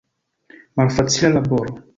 Malfacila laboro!